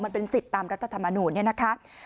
มันเป็นสิทธิ์ตามรัฐธรรมนูญเนี่ยนะคะ